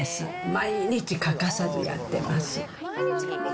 毎日欠かさずやってます。